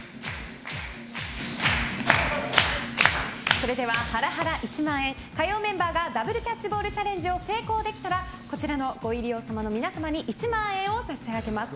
それでは、ハラハラ１万円火曜メンバーがダブルキャッチボールチャレンジ成功できたらこちらのご入り用様の皆様に１万円を差し上げます。